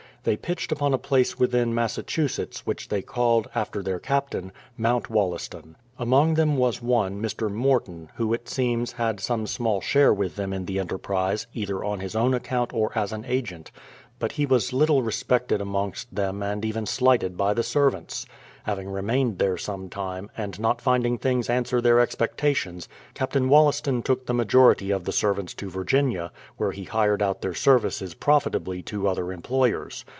They pitched upon a place within Massachusetts, which they called, after their Captain, Mount Wollaston. Among them was one, Mr. Morton, who, it seems, had some small share witli them in the enterprise, either on his own account or as an agent ; but he was little respected amongst them and even slighted by the servants. Having remained there some time, and not finding things answer their expectations, Captain Wol laston took the majority of the servants to Virginia, where he hired out their services profitably to other employers.